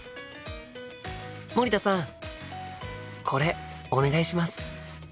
森田さんこれお願いします。